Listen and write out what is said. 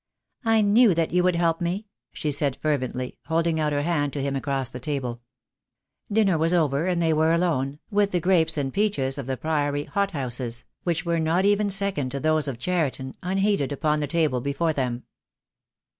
"I knew that you would help me," she said, fervently, holding out her hand to him across the table. Dinner was over, and they were alone, with the grapes and peaches of the Priory hothouses, which were not even second to those of Cheriton, unheeded upon the table before them.